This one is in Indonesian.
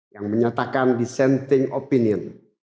yang menyatakan dissenting opinion